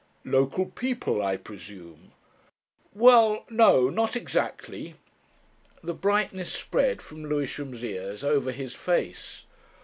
"Local people, I presume." "Well, no. Not exactly." The brightness spread from Lewisham's ears over his face.